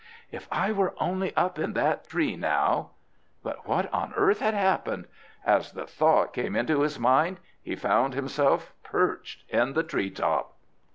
If I were only up in that tree, now " But what on earth had happened? As the thought came into his mind, he found himself perched in the tree top.